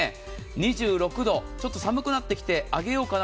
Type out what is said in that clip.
２６度、ちょっと寒くなってきて上げようかな。